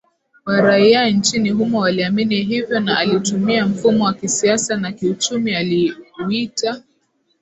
wa raia nchini humo waliamini hivyo na alitumia mfumo wa kisiasa na kiuchumi aliuita